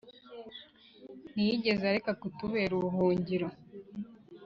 Ntiyigeze areka kutubera ubuhungiro